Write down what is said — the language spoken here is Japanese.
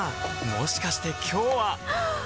もしかして今日ははっ！